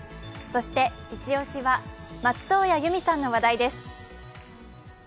そしてイチ押しは松任谷由実さんの話題です。